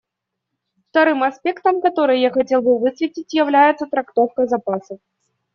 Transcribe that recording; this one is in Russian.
Вторым аспектом, который я хотел бы высветить, является трактовка запасов.